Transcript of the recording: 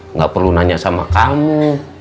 nggak perlu nanya sama kamu